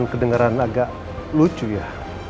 kedengaran agak lucu ya